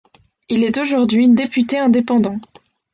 Il est aujourd'hui député indépendant.